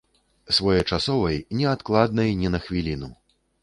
Своечасовай, неадкладнай ні на хвіліну.